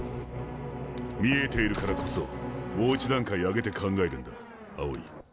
見えているからこそもう一段階上げて考えるんだ青井。